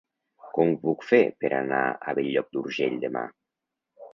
Com ho puc fer per anar a Bell-lloc d'Urgell demà?